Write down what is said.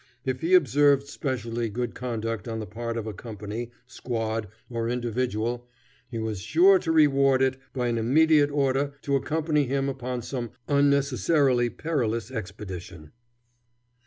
If he observed specially good conduct on the part of a company, squad, or individual, he was sure to reward it by an immediate order to accompany him upon some unnecessarily perilous expedition.